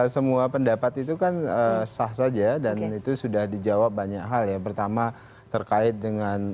semua pendapat itu kan sah saja dan itu sudah dijawab banyak hal yang pertama terkait dengan